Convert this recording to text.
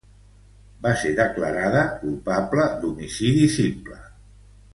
Va ser declarada culpable d'homicidi simple.